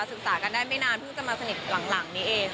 ศึกษากันได้ไม่นานเพิ่งจะมาสนิทหลังนี้เอง